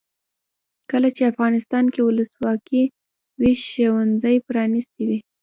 کله چې افغانستان کې ولسواکي وي ښوونځي پرانیستي وي.